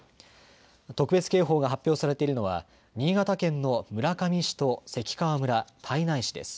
特別警報が発表されているのは新潟県の村上市と関川村、胎内市です。